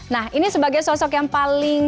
nah ini sebagai sosok yang paling